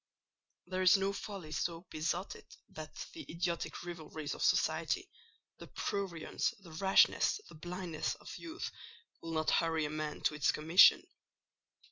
There is no folly so besotted that the idiotic rivalries of society, the prurience, the rashness, the blindness of youth, will not hurry a man to its commission.